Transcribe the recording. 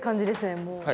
もう。